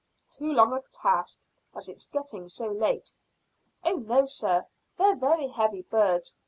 "Too long a task, as it's getting so late." "Oh no, sir; they're very heavy birds.